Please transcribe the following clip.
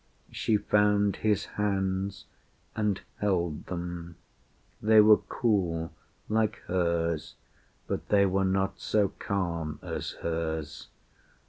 She found his hands and held them. They were cool, Like hers, but they were not so calm as hers.